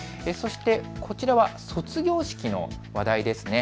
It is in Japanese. そしてこちらは卒業式の話題です。